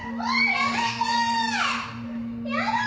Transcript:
やめて！